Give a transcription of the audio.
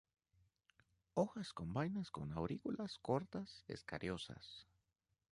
Hojas con vainas con aurículas cortas, escariosas.